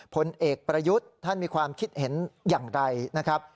ผลเอกประยุทธ์ท่านมีความคิดเห็นอย่างไรนะครับ